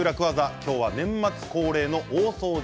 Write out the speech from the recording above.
今日は年末恒例の大掃除